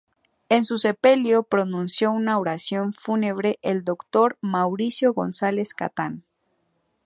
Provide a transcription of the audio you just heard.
En su sepelio pronunció una oración fúnebre el doctor Mauricio González Catán.